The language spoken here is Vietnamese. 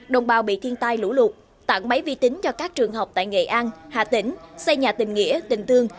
đồng bào bị thiên tai lũ lụt tặng máy vi tính cho các trường học tại nghệ an hà tĩnh xây nhà tình nghĩa tình tương